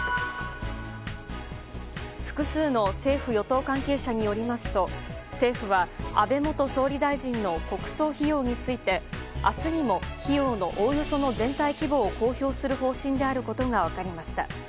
複数の政府・与党関係者によりますと政府は、安倍元総理大臣の国葬費用について明日にも費用のおおよその全体規模を公表する方針であることが分かりました。